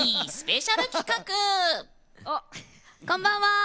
こんばんは。